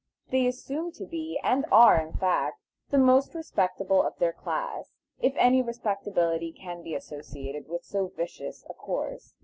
They assume to be, and are, in fact, the most respectable of their class, if any respectability can be associated with so vicious a course.